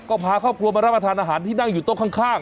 ก็พาครอบครัวมารับประทานอาหารที่นั่งอยู่โต๊ะข้าง